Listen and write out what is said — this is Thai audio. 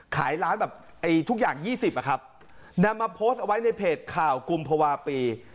ขายร้านแบบทุกอย่าง๒๐อะครับนำมาโพสต์เอาไว้ในเพจข่าวกุมภาวะปี